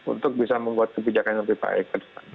untuk bisa membuat kebijakan yang berhasil